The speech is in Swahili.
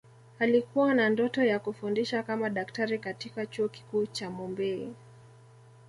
Alikuwa na ndoto ya kufundisha kama daktari katika Chuo Kikuu cha Mumbay